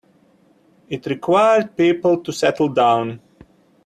It required people to settle down.